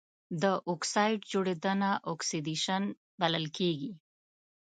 د اکسايډ جوړیدنه اکسیدیشن بلل کیږي.